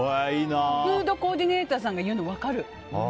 フードコーディネーターさんが言うの、分かる。